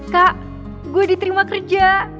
kak gue diterima kerja